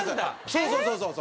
そうそうそうそう。